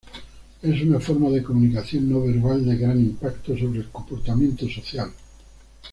Es una forma de comunicación no verbal de gran impacto sobre el comportamiento social.